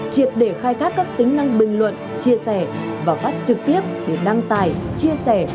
triệt để khai thác các tính năng bình luận chia sẻ và phát trực tiếp để đăng tải chia sẻ